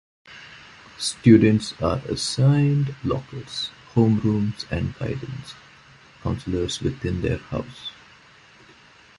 Students are assigned lockers, homerooms, and guidance counselors within their house.